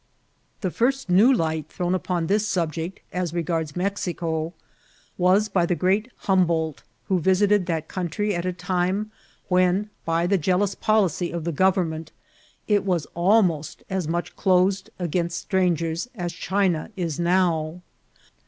The first new light thrown upon this subject as re* gards Mexico was by the great Humboldt, who visited that country at a time when, by the jealous policy of the government, it was almost as much closed against strangers as China is now.